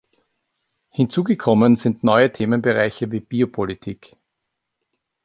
Hinzugekommen sind neue Themenbereiche wie Biopolitik.